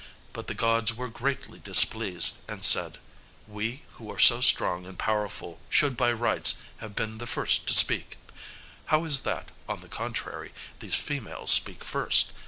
But the gods were greatly displeased, and said, 'We, who are so strong and powerful, should by rights have been the first to speak; how is it that, on the contrary, these females speak first?